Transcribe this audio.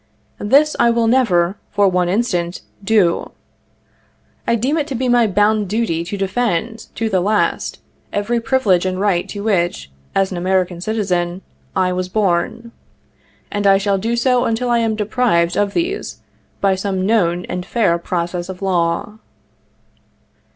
This I will never, for one instant, do. I deem it to be my bounden duty to defend, to the last, every privilege and right to which, as an American citizen, I was born ; and I shall do so until I am deprived of these by some known and fair process of law.